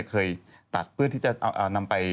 เคยตัดพืชที่จะเอานำไป